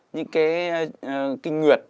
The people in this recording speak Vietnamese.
những cái kinh nguyệt